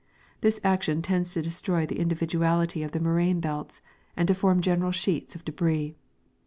This action tends to destroy the individuality of morainal belts and to form general sheets of debris.